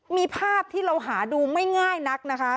มีภาพที่เราหาดูไม่ง่ายนักนะคะ